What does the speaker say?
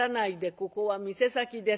ここは店先です。